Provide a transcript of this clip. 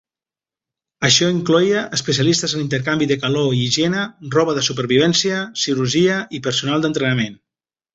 Això incloïa especialistes en intercanvi de calor i higiene, roba de supervivència, cirurgia i personal d'entrenament.